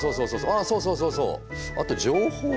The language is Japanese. あっそうそうそう。